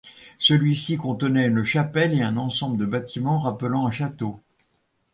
Celui-ci contenait une chapelle et un ensemble de bâtiment rappelant un château.